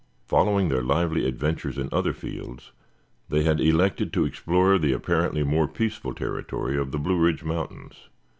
Following their lively adventures in other fields, they had elected to explore the apparently more peaceful territory of the Blue Ridge Mountains.